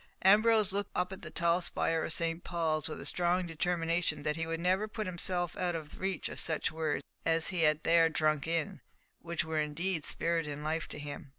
Ambrose looked up at the tall spire of St. Paul's with a strong determination that he would never put himself out of reach of such words as he had there drunk in, and which were indeed spirit and life to him.